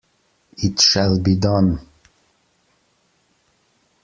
It shall be done!